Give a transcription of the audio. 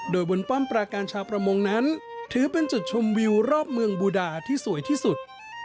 โดยบนป้อมปราการชาวประมงนั้นถือเป็นจุดชมวิวรอบเมืองบูดาที่สวยที่สุด